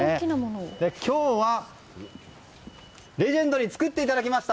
今日はレジェンドに作っていただきました。